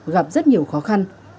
gặp rất nhiều khó khăn